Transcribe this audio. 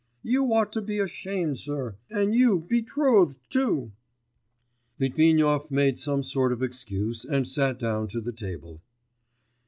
You ought to be ashamed, sir! and you betrothed too!' Litvinov made some sort of excuse and sat down to the table.